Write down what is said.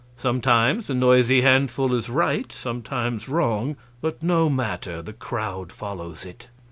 Sometimes the noisy handful is right, sometimes wrong; but no matter, the crowd follows it.